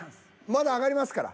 まだ上がりますから。